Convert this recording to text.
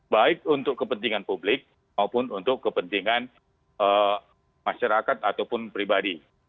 baik untuk kepentingan publik maupun untuk kepentingan masyarakat ataupun pribadi